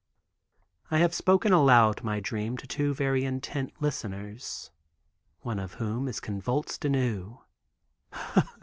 I have spoken aloud my dream, to two very intent listeners, one of whom is convulsed anew.